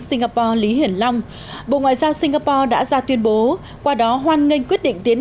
singapore lý hiển long bộ ngoại giao singapore đã ra tuyên bố qua đó hoan nghênh quyết định tiến